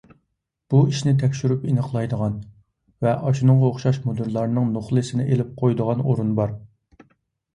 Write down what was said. بۇ ئىشنى تەكشۈرۈپ ئېنىقلايدىغان ۋە ئاشۇنىڭغا ئوخشاش مۇدىرلارنىڭ نوخلىسىنى ئېلىپ قويىدىغان ئورۇن بار.